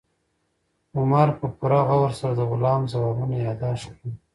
عمر په پوره غور سره د غلام ځوابونه یاداښت کړل.